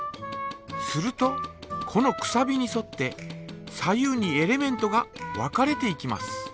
するとこのくさびにそって左右にエレメントが分かれていきます。